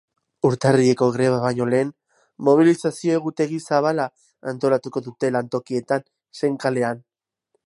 Urtarrileko greba baino lehen, mobilizazio egutegi zabala antolatuko dute lantokietan zein kalean.